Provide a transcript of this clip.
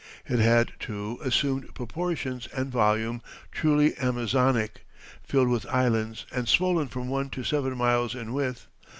It had, too, assumed proportions and volume truly Amazonic, filled with islands and swollen from one to seven miles in width.